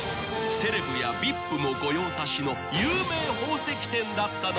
［セレブやビップも御用達の有名宝石店だったのです］